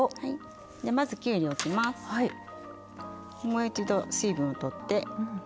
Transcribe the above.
もう一度水分を取って。